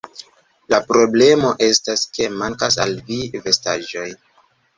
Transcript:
La problemo estas, ke mankas al vi vestaĵoj